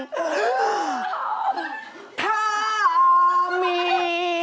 ถ้ามี